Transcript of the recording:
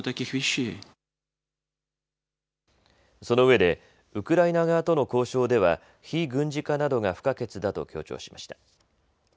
そのうえでウクライナ側との交渉では非軍事化などが不可欠だと強調しました。